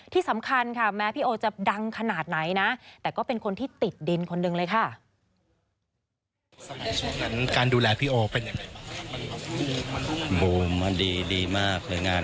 ที่สำคัญค่ะแม้พี่โอจะดังขนาดไหนนะแต่ก็เป็นคนที่ติดดินคนหนึ่งเลยค่ะ